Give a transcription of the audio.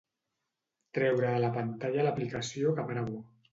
Treure de la pantalla l'aplicació Caprabo.